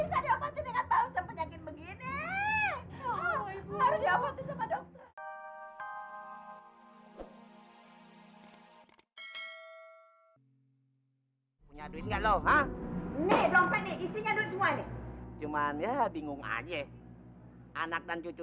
punya duit nggak lo hah nih dompet isinya semua nih cuman ya bingung aja anak dan cucu